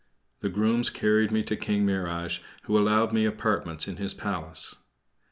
The grooms carried me to King Mihrage, who allowed me apartments in his palace.